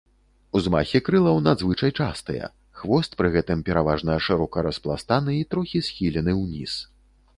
Узмахі крылаў надзвычай частыя, хвост пры гэтым пераважна шырока распластаны і трохі схілены ўніз.